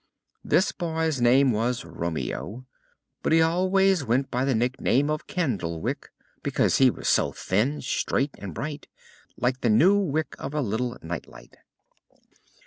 This boy's name was Romeo, but he always went by the nickname of Candlewick, because he was so thin, straight and bright, like the new wick of a little nightlight.